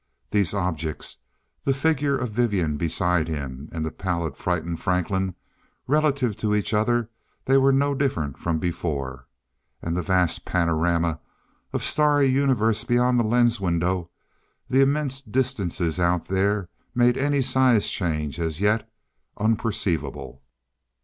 These objects, the figure of Vivian beside him, and the pallid frightened Franklin, relative to each other they were no different from before. And the vast panorama of starry Universe beyond the lens window, the immense distances out there, made any size change as yet unperceivable.